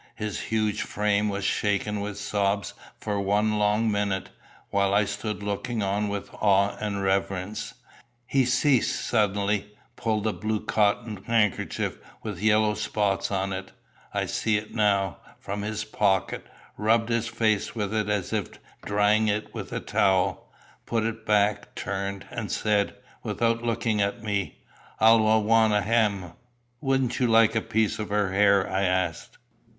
His huge frame was shaken with sobs for one long minute, while I stood looking on with awe and reverence. He ceased suddenly, pulled a blue cotton handkerchief with yellow spots on it I see it now from his pocket, rubbed his face with it as if drying it with a towel, put it back, turned, and said, without looking at me, "I'll awa' hame." "Wouldn't you like a piece of her hair?" I asked.